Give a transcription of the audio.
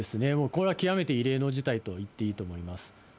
これは極めて異例の事態と言っていいと思います。